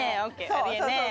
ありえ値え。